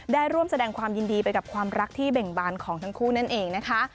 ได้ร่วมแสดงความยินดีไปกับความรักที่เบ่งบานของทั้งคู่นั่นเองนะคะ